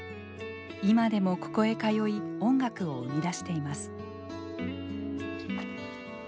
今でもここへ通い音楽を生み出しています。